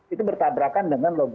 itu bertabrakan dengan logika penduduk